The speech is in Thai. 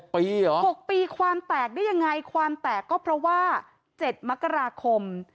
๖ปีความแตกได้ยังไงความแตกก็เพราะว่า๗มกราคม